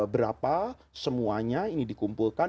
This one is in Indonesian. berapa semuanya ini dikumpulkan